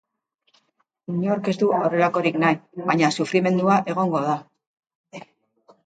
Inork ez du horrelakorik nahi, baina sufrimendua egongo da.